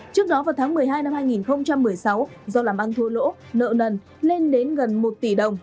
trước đó vào tháng một mươi hai năm hai nghìn một mươi sáu do làm ăn thua lỗ nợ nần lên đến gần một tỷ đồng